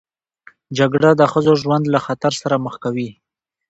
جګړه د ښځو ژوند له خطر سره مخ کوي